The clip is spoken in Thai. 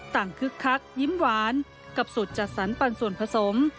คึกคักยิ้มหวานกับสูตรจัดสรรปันส่วนผสม